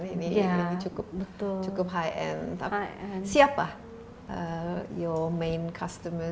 di luar biasa sekarang karena